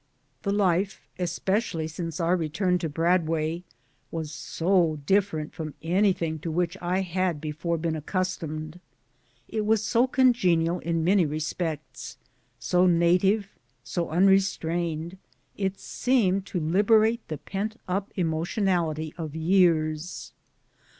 The life, especially since our return to Bradway, was so different from anything to which I had before been accustomed, it was so congenial in many respects, so native, so unrestrained, it seemed to liberate the pent up emotionality of years.